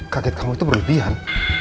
kaget kamu itu berlebihan